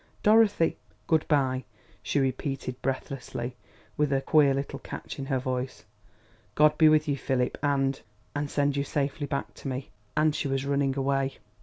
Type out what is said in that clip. "Dorothy !" "Good by," she repeated breathlessly, with a queer little catch in her voice. "God be with you, Philip, and and send you safely back to me...." And she was running away.